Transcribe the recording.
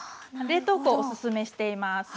冷凍庫おすすめしています。